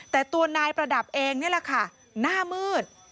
แต่ตัวนายประดับเองนี่แหละค่ะหน้ามืด